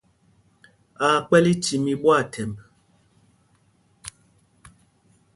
Aa kpɛ̌l ícîm í ɓwâthɛmb.